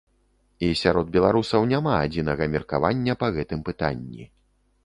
І сярод беларусаў няма адзінага меркавання па гэтым пытанні.